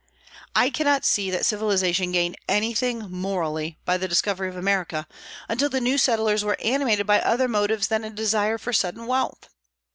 I cannot see that civilization gained anything, morally, by the discovery of America, until the new settlers were animated by other motives than a desire for sudden wealth.